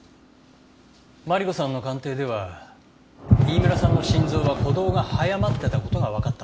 マリコさんの鑑定では飯村さんの心臓は鼓動が早まってた事がわかったんですよね？